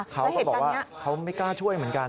เขาก็บอกว่าเขาไม่กล้าช่วยเหมือนกัน